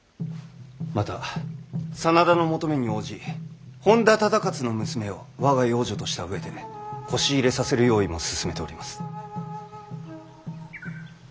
また真田の求めに応じ本多忠勝の娘を我が養女とした上でこし入れさせる用意も進めております。